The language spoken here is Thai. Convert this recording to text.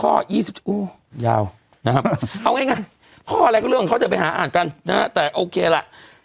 ยาวนะครับเอาง่ายข้ออะไรก็เรื่องของเขาจะไปหาอ่านกันนะฮะแต่โอเคล่ะ